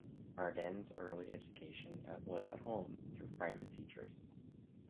Ardenne's early education was at home through private teachers.